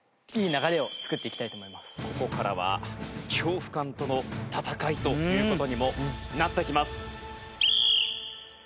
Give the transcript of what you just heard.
ここからは恐怖感との戦いという事にもなってきます。